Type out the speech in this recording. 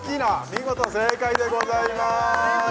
見事正解でございます